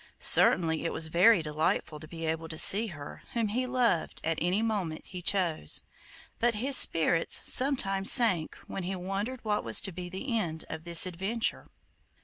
Certainly it was very delightful to be able to see her whom he loved at any moment he chose, but his spirits sometimes sank when he wondered what was to be the end of this adventure.